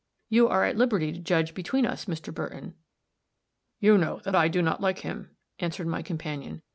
You are at liberty to judge between us, Mr. Burton." "You know that I do not like him," answered my companion.